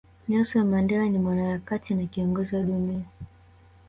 Nelson Mandela ni Mwanaharakati na Kiongozi wa dunia